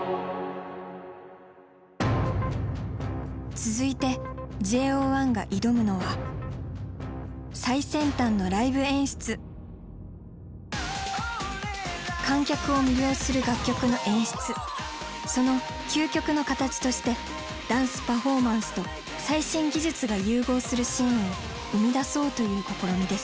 続いてＪＯ１が挑むのは観客を魅了する楽曲の演出その究極の形としてダンスパフォーマンスと最新技術が融合するシーンを生みだそうという試みです。